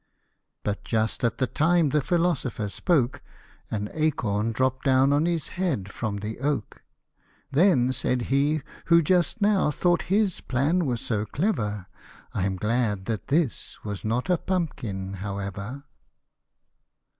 " But just at the time the philosopher spoke, An acorn dropt down on his head from the oak ; Then said he, who just now thought his plan was so clever, " I am glad that this was not a pumpkin, however."